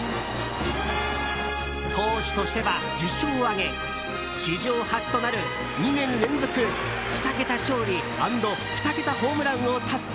投手としては１０勝を挙げ史上初となる２年連続２桁勝利＆２桁ホームランを達成。